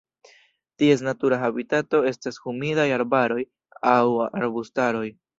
Ties natura habitato estas humidaj arbaroj aŭ arbustaroj.